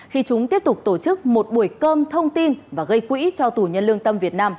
khi chúng tiếp tục tổ chức một buổi cơm thông tin và gây quỹ cho tù nhân lương tâm việt nam